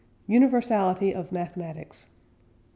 UNIVERSALITY OF MATHEMATICS.